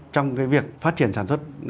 trong cái việc phát triển sản xuất